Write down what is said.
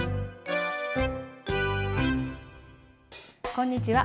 こんにちは。